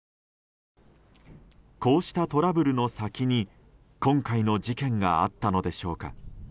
こうしたトラブルの先に今回の事件があったのでしょうか。